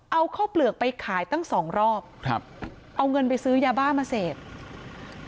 เอาข้าวเปลือกไปขายตั้งสองรอบครับเอาเงินไปซื้อยาบ้ามาเสพ